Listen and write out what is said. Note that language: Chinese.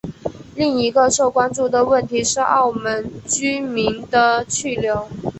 另一个受关注的问题是澳门居民的去留。